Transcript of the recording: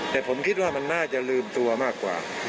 แต่ผมคิดว่ามันน่าจะลืมตัวมากกว่า